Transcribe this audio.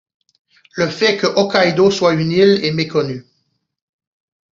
Le fait que Hokkaidō soit une île est méconnu.